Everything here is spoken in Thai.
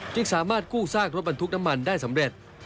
จึงสามารถกู้ซากรถบรรทุกน้ำมันได้สำเร็จ